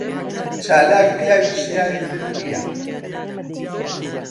چالاک پیاوی شیاوی من نییە.